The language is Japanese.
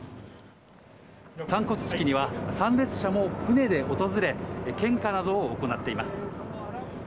散骨式には、参列者も船で訪れ、献花などを行っています。